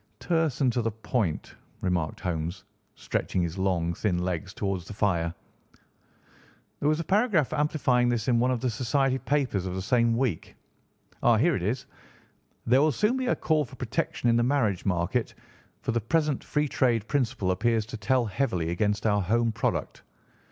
"Terse and to the point," remarked Holmes, stretching his long, thin legs towards the fire. "There was a paragraph amplifying this in one of the society papers of the same week. Ah, here it is: 'There will soon be a call for protection in the marriage market, for the present free trade principle appears to tell heavily against our home product.